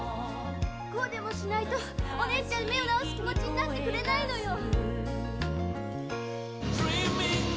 こうでもしないとおねえちゃん目を治す気持ちになってくれないのよ。